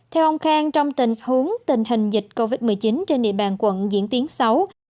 theo ông khang trong tình huống tình hình dịch covid một mươi chín trên địa bàn quận diễn tiến xấu